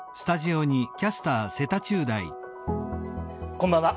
こんばんは。